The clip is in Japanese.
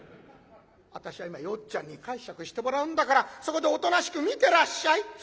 私は今よっちゃんに介錯してもらうんだからそこでおとなしく見てらっしゃい。